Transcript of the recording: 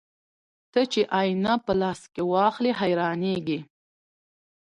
ته چې آيينه په لاس کې واخلې حيرانېږې